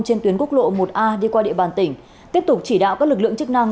trên tuyến quốc lộ một a đi qua địa bàn tỉnh tiếp tục chỉ đạo các lực lượng chức năng